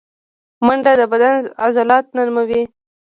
منډه د بدن عضلات نرموي